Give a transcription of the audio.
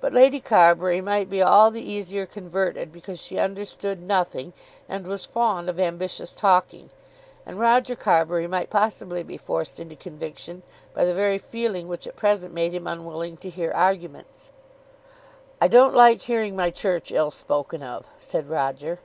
But Lady Carbury might be all the easier converted because she understood nothing and was fond of ambitious talking; and Roger Carbury might possibly be forced into conviction by the very feeling which at present made him unwilling to hear arguments. "I don't like hearing my Church ill spoken of," said Roger.